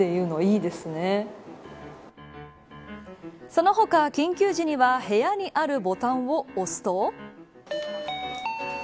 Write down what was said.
その他、緊急時には部屋にあるボタンを押すと。